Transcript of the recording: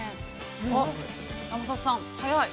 あっ、山里さん、早い。